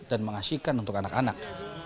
dan mengasihkan untuk anak anak